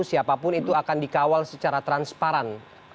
siapa pun itu akan dikawal secara transparan